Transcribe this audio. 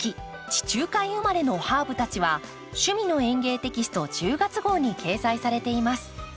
地中海生まれのハーブたち」は「趣味の園芸」テキスト１０月号に掲載されています。